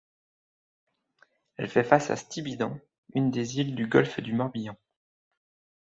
Elle fait face à Stibiden, une des îles du golfe du Morbihan.